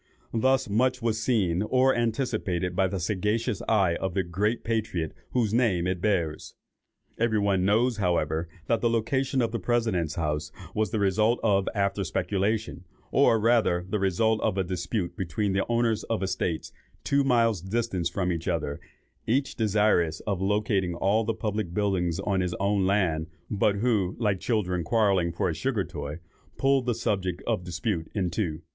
Thus much was seen or anticipated by the sagacious eye of the great patriot whose name it bears. Every one knows, however, that the location of the President's House was the result of after speculation, or rather the result of a dispute between the owners of estates, two miles distant from each other, each desirous of locating all the public buildings on his own land, but who, like children quarrelling for a sugar toy, pulled the subject of dispute in two.